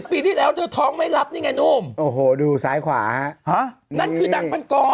เพื่อเปลี่ยนกันทั้งคู่ดัง